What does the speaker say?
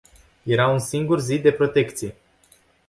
Era un singur zid de protecție.